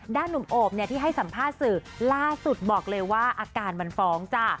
หนุ่มโอบที่ให้สัมภาษณ์สื่อล่าสุดบอกเลยว่าอาการมันฟ้องจ้ะ